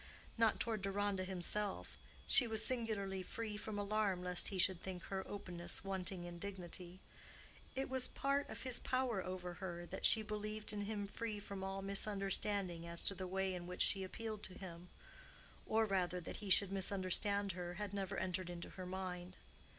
Not toward Deronda himself—she was singularly free from alarm lest he should think her openness wanting in dignity: it was part of his power over her that she believed him free from all misunderstanding as to the way in which she appealed to him; or rather, that he should misunderstand her had never entered into her mind.